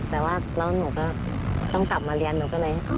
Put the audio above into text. แต่ว่าแล้วหนูก็ต้องกลับมาเรียนหนูก็เลย